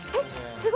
すごい！